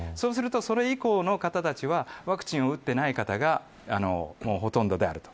そうすると、それ以降の方たちはワクチンを打っていない方がほとんどであると。